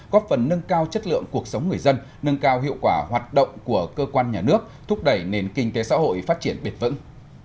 góp phần nâng cao chất lượng cuộc sống người dân nâng cao hiệu quả hoạt động của cơ quan nhà nước thúc đẩy nền kinh tế xã hội phát triển biệt vững